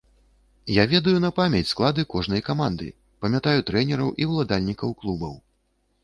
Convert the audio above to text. Я ведаю на памяць склады кожнай каманды, памятаю трэнераў і ўладальнікаў клубаў.